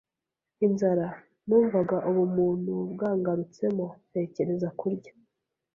inzara! Numvaga ubumuntu bwangarutsemo, ntekereza kurya.